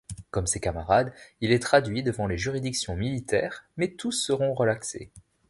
Comme ses camarades, il est traduit devant les juridictions militaires, mais tous seront relaxés.